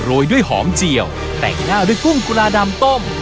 ยด้วยหอมเจียวแต่งหน้าด้วยกุ้งกุลาดำต้ม